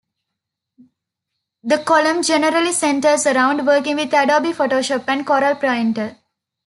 The column generally centers around working with Adobe Photoshop and Corel Painter.